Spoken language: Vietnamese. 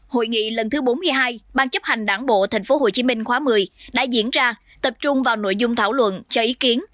hội nghị lần thứ bốn mươi hai ban chấp hành đảng bộ tp hcm khóa một mươi đã diễn ra tập trung vào nội dung thảo luận cho ý kiến